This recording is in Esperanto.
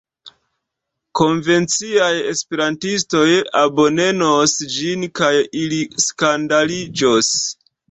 Konvenciaj esperantistoj abonenos ĝin kaj ili skandaliĝos.